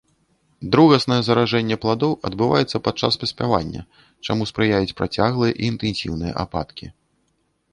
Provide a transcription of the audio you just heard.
Другаснае заражэнне пладоў адбываецца падчас паспявання, чаму спрыяюць працяглыя і інтэнсіўныя ападкі.